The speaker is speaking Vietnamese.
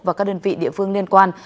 và các đơn vị địa phương liên quan